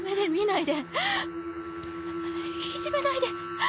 いじめないで。